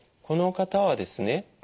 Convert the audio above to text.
この方はですね